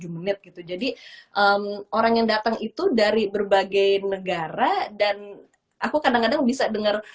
menit gitu jadi orang yang datang itu dari berbagai negara dan aku kadang kadang bisa dengar